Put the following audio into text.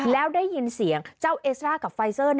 แล้วได้ยินเสียงเจ้าเอสตรากับไฟเซอร์